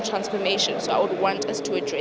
jadi saya ingin kita menjelaskan itu